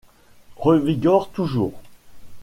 Revigore toujours